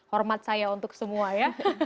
hormat saya untuk semua ya